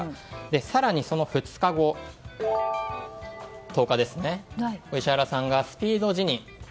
更にその２日後、１０日に石原さんがスピード辞任。